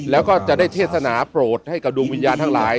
แล้วก็จะได้เทศนาโปรดให้กับดวงวิญญาณทั้งหลาย